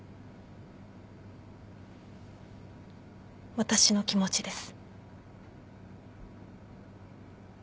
私の気持ちです。